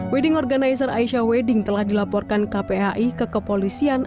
wedding organizer aisyah wedding telah dilaporkan kpai ke kepolisian